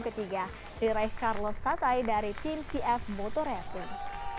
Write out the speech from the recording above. ketiga diraih carlos tatai dari tim cf motor racing